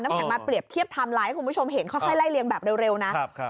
น้ำแข็งมาเปรียบเทียบทามไลน์ให้คุณผู้ชมเห็นค่อยค่อยไล่เรียงแบบเร็วเร็วน่ะครับครับ